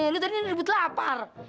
lu tadi udah dibut lapar